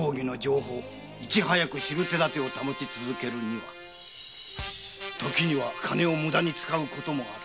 いち早く知る手だてを保ち続けるにはときには金を無駄に使うこともある。